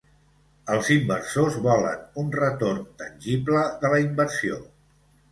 Els inversors volen un retorn tangible de la inversió.